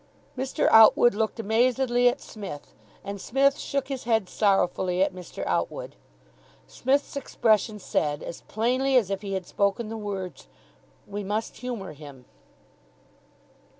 Mr. Outwood looked amazedly at Smith, and Psmith shook his head sorrowfully at Mr. Outwood. Psmith's expression said, as plainly as if he had spoken the words, "We must humour him."